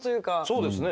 そうですね。